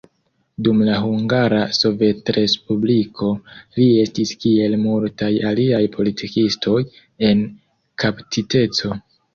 Dum la Hungara Sovetrespubliko, li estis kiel multaj aliaj politikistoj, en kaptiteco.